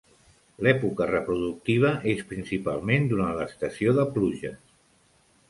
L'època reproductiva és principalment durant l'estació de pluges.